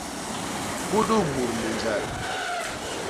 Kudus mut ni njal.